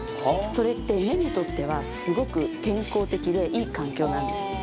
それって、根にとってはすごく健康的で、いい環境なんです。